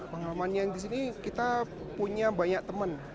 pengalaman yang di sini kita punya banyak teman